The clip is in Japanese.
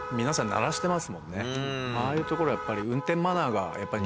ああいうところはやっぱり。